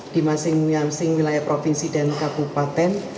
di masing masing wilayah provinsi dan kabupaten